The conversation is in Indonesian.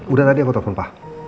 udah tadi aku telfon pak